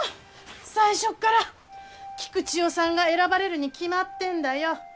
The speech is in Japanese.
最初から菊千代さんが選ばれるに決まってんだよ。